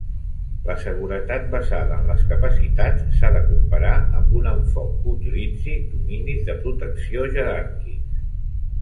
La seguretat basada en les capacitats s"ha de comparar amb un enfoc que utilitzi dominis de protecció jeràrquics.